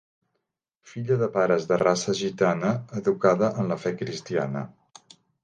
Filla de pares de raça gitana, educada en la fe cristiana.